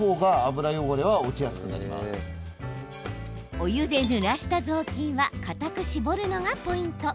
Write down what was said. お湯でぬらした雑巾は固く絞るのがポイント。